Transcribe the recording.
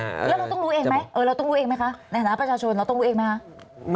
แล้วเราต้องรู้เองไหมในฐานะประชาชนเราต้องรู้เองไหมฮะ